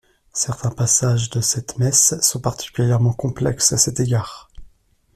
Certains passages de cette messe sont particulièrement complexes à cet égard.